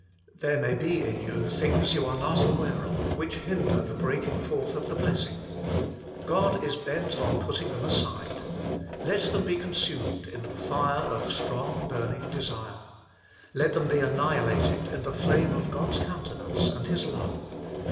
There may be in you things you are not aware of, which hinder the breaking forth of the blessing. God is bent on putting them aside. Let them be consumed in the fire of strong burning desire. Let them, be annihilated in the flame of God s countenance and His love.